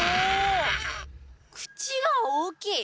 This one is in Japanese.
口が大きい！